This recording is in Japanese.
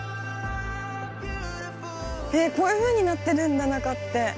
えっこういうふうになってるんだ中って。